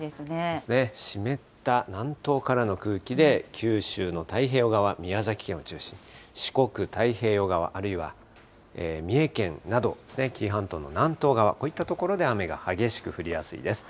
ですね、湿った南東からの空気で九州の太平洋側、宮崎県を中心に、四国、太平洋側、あるいは三重県など、紀伊半島の南東側、こういった所で雨が激しく降りやすいです。